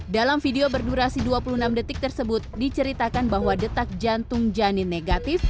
dalam video berdurasi dua puluh enam detik tersebut diceritakan bahwa detak jantung janin negatif